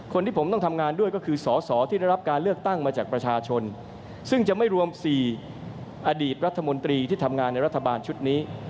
คนที่ผมต้องทำงานด้วยก็คือสอสอที่ได้รับการเลือกตั้งมาจากประชาชนซึ่งจะไม่รวม๔อดีตรัฐมนตรีที่ทำงานในรัฐบาลชุดนี้